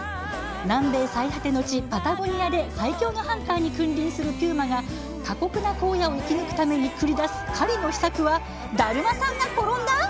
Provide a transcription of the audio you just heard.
南米最果ての地・パタゴニアで最強のハンターに君臨するピューマが過酷な荒野を生き抜くために繰り出す狩りの秘策はだるまさんが転んだ？